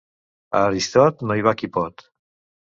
A Aristot, no hi va qui pot.